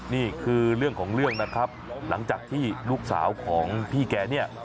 นี่คือเรื่องของเรื่องนะครับหลังจากที่ลูกสาวของพี่แกเนี่ย